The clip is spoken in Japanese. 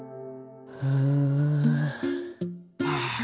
ああ。